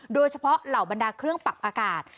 โดยเฉพาะเหล่าบรรดาเครื่องปรับอากาศ